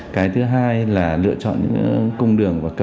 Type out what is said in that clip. cái thứ hai là lựa chọn những cung đường và cập nhật